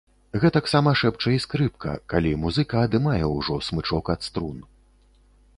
Гэтаксама шэпча і скрыпка, калі музыка адымае ўжо смычок ад струн.